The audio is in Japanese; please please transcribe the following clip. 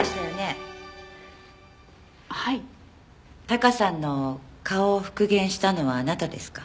タカさんの顔を復元したのはあなたですか？